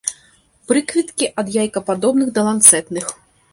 Прыкветкі ад яйкападобных да ланцэтных.